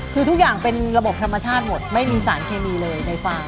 คือทุกอย่างเป็นระบบธรรมชาติหมดไม่มีสารเคมีเลยในฟาร์ม